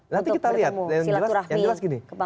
nanti kita lihat yang jelas gini